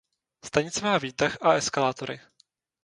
Stanice má výtah a eskalátory.